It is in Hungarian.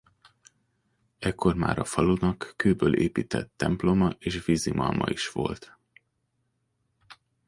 Ekkor már a falunak kőből épített temploma és vízimalma is volt.